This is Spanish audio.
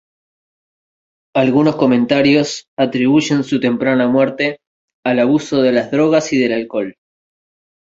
Algunos comentarios atribuyen su temprana muerte al abuso de las drogas y del alcohol.